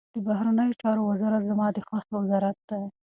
د بهرنیو چارو وزارت زما د خوښي وزارت دی.